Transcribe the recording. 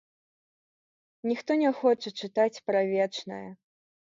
Ніхто не хоча чытаць пра вечнае.